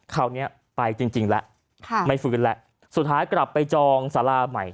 คราวนี้ไปจริงแล้วไม่ฟื้นแล้วสุดท้ายกลับไปจองสาราใหม่